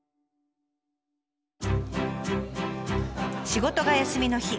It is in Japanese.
仕事が休みの日。